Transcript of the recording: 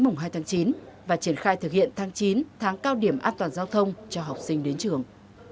mùng hai tháng chín và triển khai thực hiện tháng chín tháng cao điểm an toàn giao thông cho học sinh đến trường